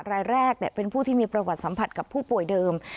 รายแรกเป็นผู้ที่มีประวัติสัมผัสกับผู้ป่วยเดิม